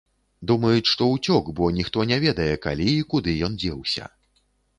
Думаюць, што ўцёк, бо ніхто не ведае, калі і куды ён дзеўся.